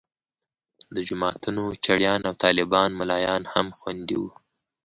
د جوماتونو چړیان او طالبان ملایان هم خوندي وو.